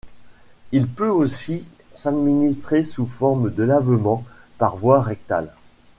Il peut aussi s'administrer sous forme de lavement par voie rectale.